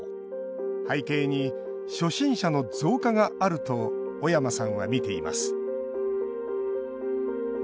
背景に初心者の増加があると小山さんは見ています。